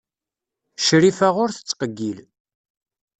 Crifa ur tettqeyyil.